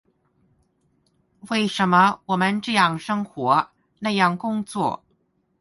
為什麼我們這樣生活，那樣工作？